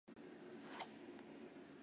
房角石是一属已灭绝的鹦鹉螺类。